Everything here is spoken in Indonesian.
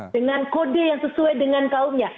dengan kode yang sesuai dengan kaumnya